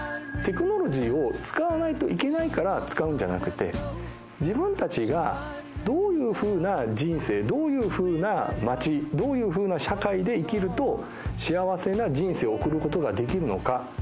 テクノロジーを使わないといけないから使うんじゃなくて自分たちがどういうふうな人生どういうふうな町どういうふうな社会で生きると幸せな人生を送ることができるのか。